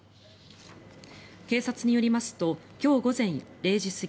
警察によりますと今日午前０時過ぎ